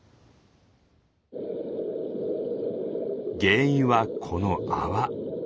原因はこの泡。